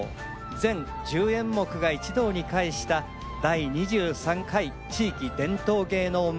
全１０演目が一堂に会した「第２３回地域伝統芸能まつり」。